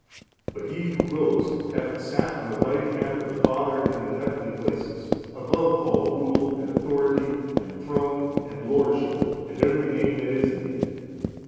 But He Who rose hath sat on the Right Hand of the Father in the heavenly places above all rule and authority and throne 66 and lordship and every name that is named.